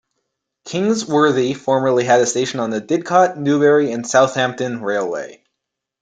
Kings Worthy formerly had a station on the Didcot, Newbury and Southampton Railway.